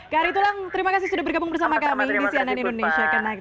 kary tulang terima kasih sudah bergabung bersama kami di cnn indonesia